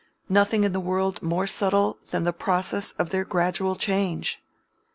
Nothing in the world more subtle than the process of their gradual change!